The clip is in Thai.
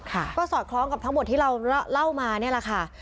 ก็สอดคล้องกับทั้งหมดที่เราเล่ามานี่แหละค่ะ